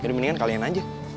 jadi mendingan kalian aja